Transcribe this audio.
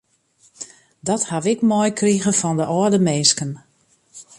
Dat ha ik meikrige fan de âlde minsken.